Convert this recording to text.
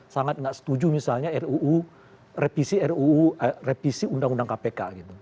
sangat tidak setuju misalnya ruu repisi ruu repisi undang undang kpk